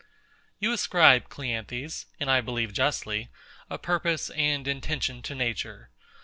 You ascribe, CLEANTHES (and I believe justly), a purpose and intention to Nature.